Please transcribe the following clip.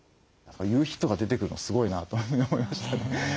夕日とか出てくるのすごいなと思いましたね。